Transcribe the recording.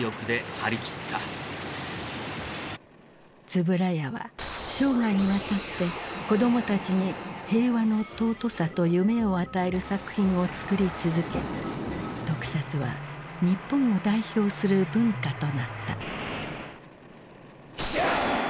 円谷は生涯にわたって子どもたちに平和の尊さと夢を与える作品を作り続け特撮は日本を代表する文化となった。